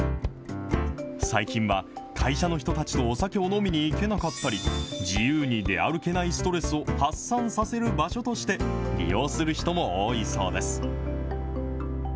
最近は、会社の人たちとお酒を飲みにいけなかったり、自由に出歩けないストレスを発散させる場所として、利用する人も多いそうです。